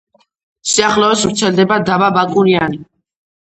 სიახლოვეს ვრცელდება დაბა ბაკურიანი.